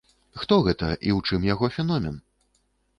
Хто гэта і ў чым яго феномен?